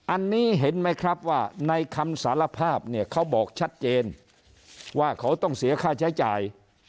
อันนี้เห็นไหมครับว่าในคำสารภาพเนี่ยเขาบอกชัดเจนว่าเขาต้องเสียค่าใช้จ่าย